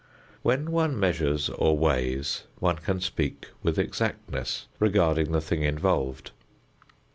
When one measures or weighs, one can speak with exactness regarding the thing involved.